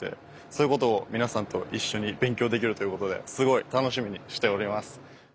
そういうことを皆さんと一緒に勉強できるということですごい楽しみにしております。